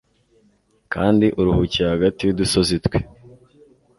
kandi uruhukiye hagati y'udusozi twe